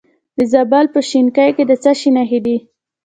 د زابل په شنکۍ کې د څه شي نښې دي؟